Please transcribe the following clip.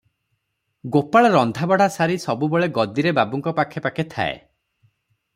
ଗୋପାଳ ରନ୍ଧାବଢ଼ା ସାରି ସବୁବେଳେ ଗଦିରେ ବାବୁଙ୍କ ପାଖେ ପାଖେ ଥାଏ ।